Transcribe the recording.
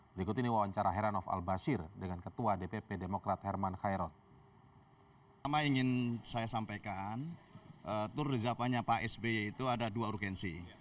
berikut ini wawancara heranov al bashir dengan ketua dpp demokrat herman khairot